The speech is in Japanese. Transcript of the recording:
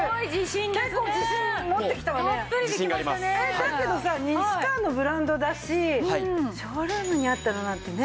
だけどさ西川のブランドだしショールームにあったのなんてね